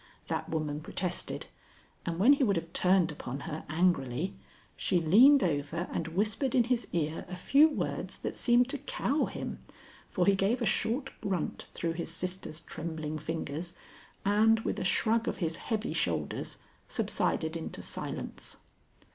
that woman protested; and when he would have turned upon her angrily, she leaned over and whispered in his ear a few words that seemed to cow him, for he gave a short grunt through his sister's trembling fingers and, with a shrug of his heavy shoulders, subsided into silence.